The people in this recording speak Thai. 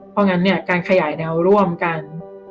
เพราะฉะนั้นการขยายแนวร่วมกัน